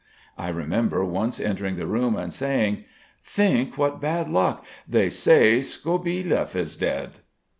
I remember once entering the room and saying: "Think what bad luck! They say, Skobielev is dead."